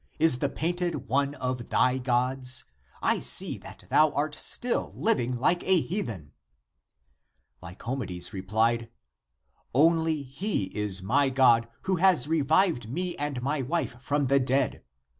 Is the painted one of thy gods? I see that thou art still living like a heathen !" Ly comedes replied, " Only he is my God who has re vived me and my wife from the dead.